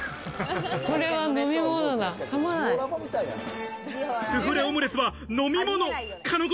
これは飲み物だ。